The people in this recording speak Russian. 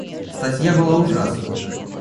Статья была ужасна.